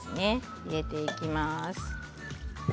入れていきます。